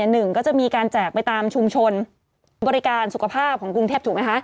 หนึ่งจะมีการแจกไปตามชุมชลบริการสุขภาพของกรุงเทพ